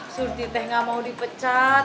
surti teh gak mau dipecat